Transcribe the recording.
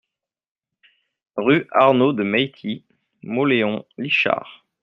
Rue Arnaud de Maytie, Mauléon-Licharre